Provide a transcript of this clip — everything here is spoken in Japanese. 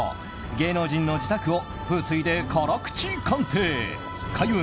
芸能人の自宅を風水で辛口鑑定開運！